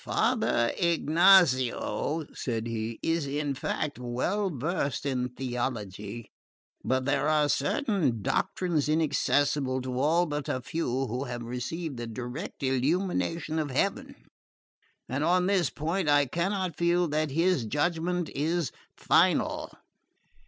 "Father Ignazio," said he, "is in fact well versed in theology; but there are certain doctrines inaccessible to all but a few who have received the direct illumination of heaven, and on this point I cannot feel that his judgment is final."